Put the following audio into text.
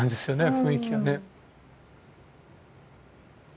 雰囲気がね。